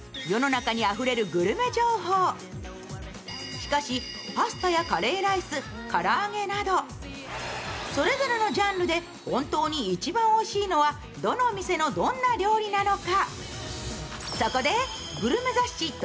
しかし、パスタやカレーライス、から揚げなどそれぞれのジャンルで本当に一番おいしいのは、どの店のどんな料理なのか？